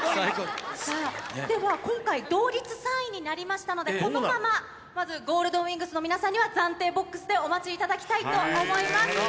では、今回、同率３位になりましたので、このままＧＯＬＤ☆ＷＩＮＧＳの皆さんには暫定ボックスで、お待ちいただきたいと思います。